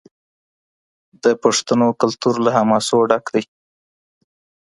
د پښتنو کلتور له حماسو ډک دی.